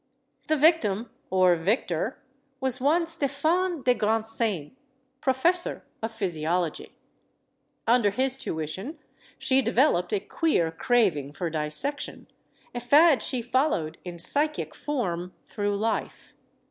The victim or victor was one Stephane de Grand saigne, professor of physiology. Under his tuition she developed a queer craving for dissection a fad she followed, in psychic form, through life.